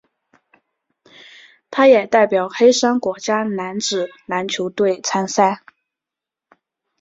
他也代表黑山国家男子篮球队参赛。